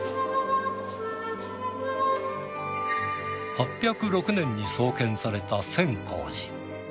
８０６年に創建された千光寺。